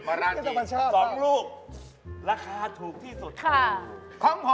วาระจีน๒รูปราคาถูกที่สุดค่ะค่ะมันชอบ